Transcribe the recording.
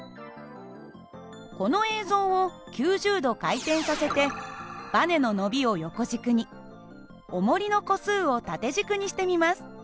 この映像を９０度回転させてばねの伸びを横軸におもりの個数を縦軸にしてみます。